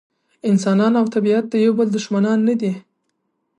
انسان او طبیعت د یو بل دښمنان نه دي.